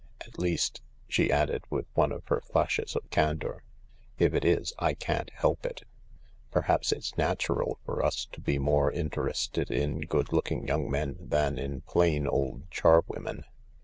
At least," she added, with one of her flashes of candour, "if it is, I can't help it. Pter haps it's natural for us to be more interested in good looking young men than in plain old charwomen.